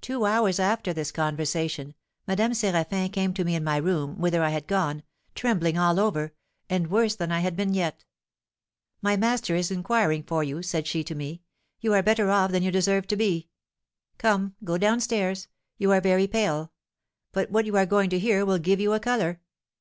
Two hours after this conversation, Madame Séraphin came to me in my room, whither I had gone, trembling all over, and worse than I had been yet. 'My master is inquiring for you,' said she to me; 'you are better off than you deserve to be. Come, go down stairs. You are very pale; but what you are going to hear will give you a colour.'